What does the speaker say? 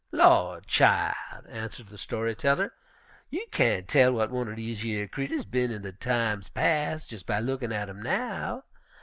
"Law, chil'," answered the story teller, "you kain't tell w'at one'r dese yer creeturs bin in de times pas' jes' by lookin' at 'em now.